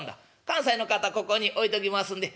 「関西の方ここに置いときますんで。